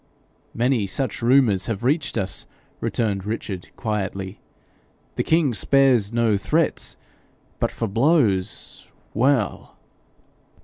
'Many such rumours have reached us,' returned Richard, quietly. 'The king spares no threats; but for blows well!'